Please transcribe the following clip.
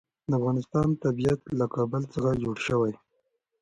د افغانستان طبیعت له کابل څخه جوړ شوی دی.